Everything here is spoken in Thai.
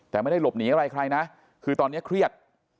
แต่ไม่ได้หลบหนีอะไรใครนะคือตอนนี้เครียด